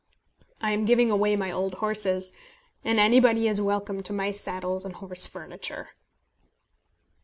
I am giving away my old horses, and anybody is welcome to my saddles and horse furniture.